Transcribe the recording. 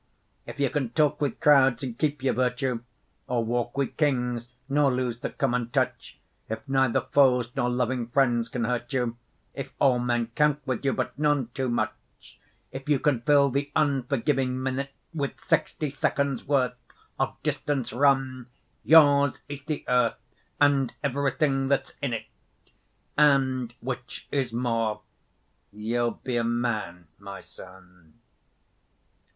If you can talk with crowds and keep your virtue, Or walk with Kings nor lose the common touch, If neither foes nor loving friends can hurt you, If all men count with you, but none too much; If you can fill the unforgiving minute With sixty seconds' worth of distance run, Yours is the Earth and everything that's in it, And which is more you'll be a Man, my son!